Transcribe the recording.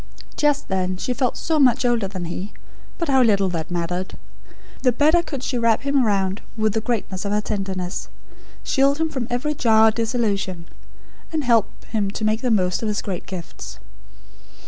Just then she felt so much older than he; but how little that mattered. The better could she wrap him round with the greatness of her tenderness; shield him from every jar or disillusion; and help him to make the most of his great gifts.